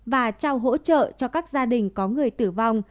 và trao hỗ trợ cho các gia đình có người tử vong